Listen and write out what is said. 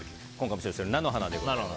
菜の花でございます。